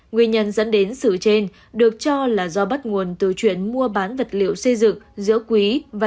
nguyên nhân dẫn đến sự trên được cho là do bắt nguồn từ chuyện mua bán vật liệu xây dựng giữa quý và